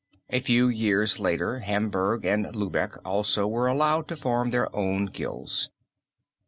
A few years later Hamburg and Lübeck also were allowed to form their own guilds.